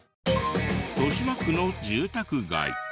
豊島区の住宅街。